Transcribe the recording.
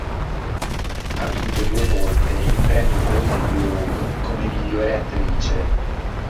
Ha vinto due volte il premio Golden Globe come miglior attrice.